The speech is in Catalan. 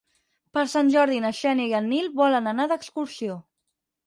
Per Sant Jordi na Xènia i en Nil volen anar d'excursió.